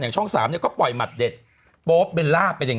แฟนไม่เข้าบ้านเลยนี่